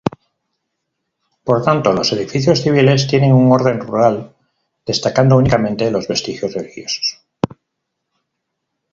Por tanto los edificios civiles tienen un orden rural, destacando únicamente los vestigios religiosos.